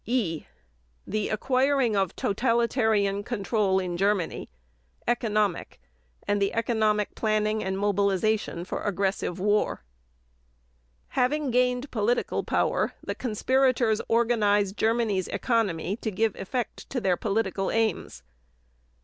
(E) THE ACQUIRING OF TOTALITARIAN CONTROL IN GERMANY: ECONOMIC; AND THE ECONOMIC PLANNING AND MOBILIZATION FOR AGGRESSIVE WAR Having gained political power the conspirators organized Germany's economy to give effect to their political aims.